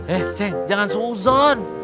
eh cek jangan seuzon